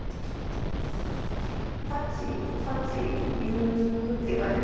パチパチギュッていう感じで。